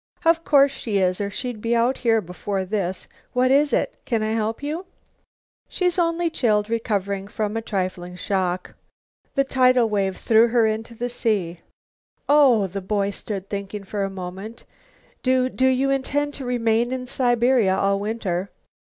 Of course she is, or she'd be out here before this. What is it? Can I help you?" "She's only chilled and recovering from a trifling shock. The tidal wave threw her into the sea." "Oh!" The boy stood thinking for a moment. "Do do you intend to remain in Siberia all winter?"